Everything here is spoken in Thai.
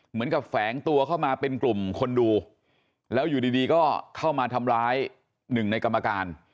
แฝงตัวเข้ามาเป็นกลุ่มคนดูแล้วอยู่ดีก็เข้ามาทำร้ายหนึ่งในกรรมการ